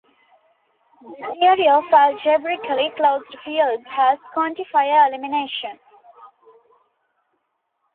The theory of algebraically closed fields has quantifier elimination.